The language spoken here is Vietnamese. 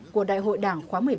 của đại hội đảng khóa một mươi ba